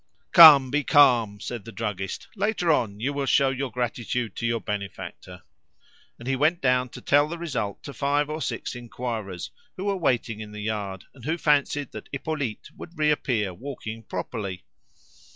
"Come, be calm," said the druggist; "later on you will show your gratitude to your benefactor." And he went down to tell the result to five or six inquirers who were waiting in the yard, and who fancied that Hippolyte would reappear walking properly.